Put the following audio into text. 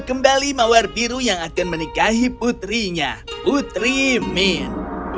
dan membawa kembali mawar biru yang akan menikahi putrinya putri min